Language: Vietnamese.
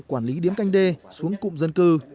quản lý điếm canh đê xuống cụm dân cư